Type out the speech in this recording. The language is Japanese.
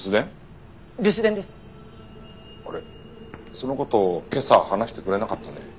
その事今朝話してくれなかったね。